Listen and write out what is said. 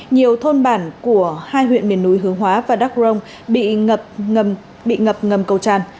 nhiều thôn bản của hai huyện miền núi hướng hóa và đắk rồng bị ngập ngầm cầu tràn